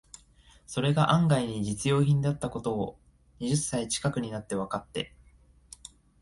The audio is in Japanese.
それが案外に実用品だった事を、二十歳ちかくになってわかって、